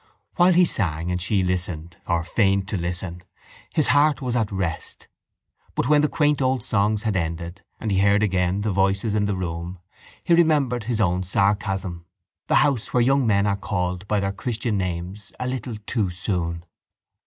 While he sang and she listened, or feigned to listen, his heart was at rest but when the quaint old songs had ended and he heard again the voices in the room he remembered his own sarcasm: the house where young men are called by their christian names a little too soon.